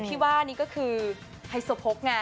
ที่ว่านี่ก็คือไฮโซโพกไง